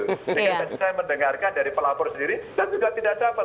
saya mendengarkan dari pelapor sendiri dan juga tidak dapat